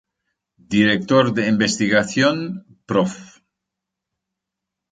Director de investigación: Prof.